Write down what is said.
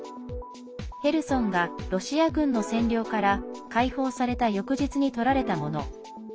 ヘルソンがロシア軍の占領から解放された翌日に撮られたもの。